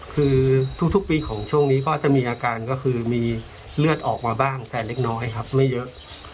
คือทุกปีของช่วงนี้ก็จะมีอาการก็คือมีเลือดออกมาบ้างแต่เล็กน้อยครับไม่เยอะ